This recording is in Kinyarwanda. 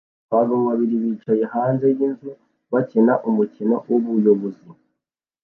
Abagabo babiri bicaye hanze yinzu bakina umukino wubuyobozi